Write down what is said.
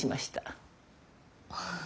ああ。